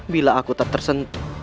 bila aku tak tersentuh